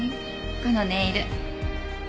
このネイル。